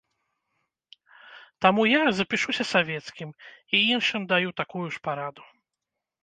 Таму я запішуся савецкім, і іншым даю такую ж параду.